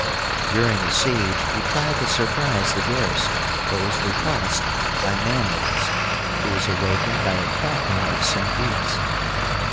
During the siege he tried to surprise the garrison, but was repulsed by Manlius, who was awakened by the cackling of some geese.